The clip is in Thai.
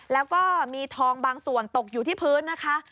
แล้วก็มีทองบางส่วนตกอยู่ที่พื้นนะคะ